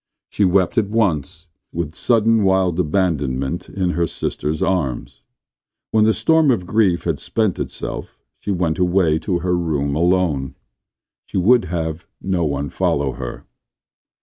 She wept at once, with sudden, wild abandonment, in her sister's arms. When the storm of grief had spent itself she went away to her room alone. She would have no one follow her.